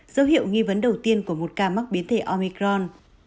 dấu hiệu nghi vấn đầu tiên của một ca mắc biến thể omicron